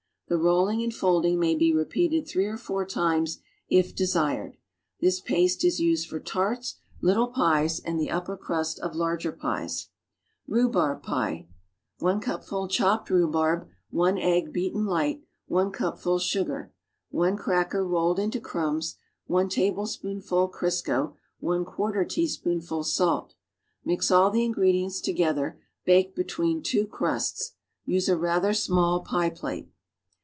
The rolling and folding may be repeated three or four times if desired. This paste is used for tarts, little pies and the upper crust of larger pies. RHUBARB PIE 1 cupful chopped rhubarb 1 cracker, rolled into crumbs 1 egg. beaten light 1 tablespoonful Crisco 1 cupful sugar J4 teaspoonful salt Mix all the ingredients together; bake between two crusts. Use a rather small pie plate.